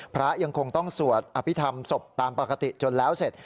พระยังคงต้องสวดอภิษฐรรมศพตามปกติจนแล้วเสร็จ